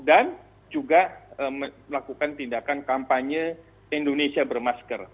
dan juga melakukan tindakan kampanye indonesia bermasker